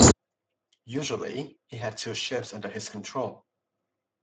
Usually, he had two ships under his control.